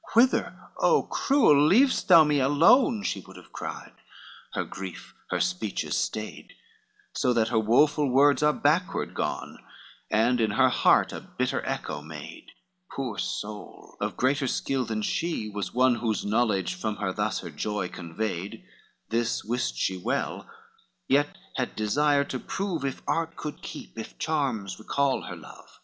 XXXVI "Whither, O cruel! leavest thou me alone?" She would have cried, her grief her speeches stayed, So that her woful words are backward gone, And in her heart a bitter echo made; Poor soul, of greater skill than she was one Whose knowledge from her thus her joy conveyed, This wist she well, yet had desire to prove If art could keep, if charms recall her love.